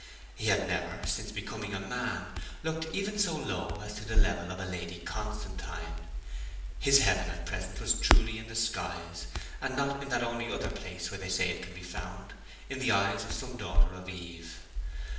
He had never, since becoming a man, looked even so low as to the level of a Lady Constantine. His heaven at present was truly in the skies, and not in that only other place where they say it can be found, in the eyes of some daughter of Eve.